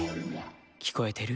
「きこえてる？